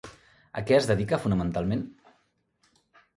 A què es dedica fonamentalment?